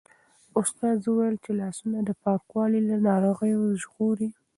استاد وویل چې د لاسونو پاکوالی له ناروغیو ژغوري.